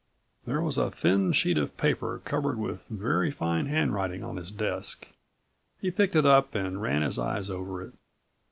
There was a thin sheet of paper covered with very fine handwriting on his desk. He picked it up and ran his eyes over it.